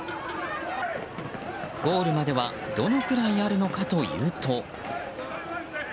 ゴールまではどのくらいあるのかというと。